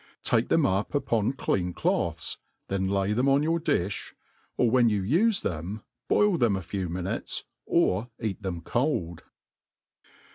Take them upr' upon clean cloths, then lay them on your difli ; of when yolif ufe them boil them a few minutes, or eat them cold".